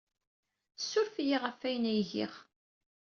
Ssuref-iyi ɣef wayen ay giɣ.